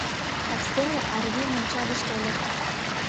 Кастене Арви монча гыч тольо.